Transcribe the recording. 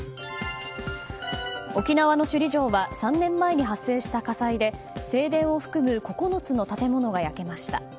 沖縄の首里城は３年前に発生した火災で正殿を含む９つの建物が焼けました。